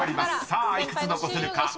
さあ幾つ残せるか］